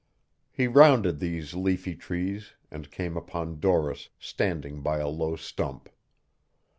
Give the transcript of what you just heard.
He rounded these leafy trees and came upon Doris standing by a low stump.